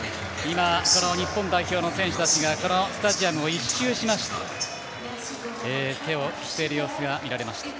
日本代表の選手たちがこのスタジアムを一周しまして手を振っている様子が見られました。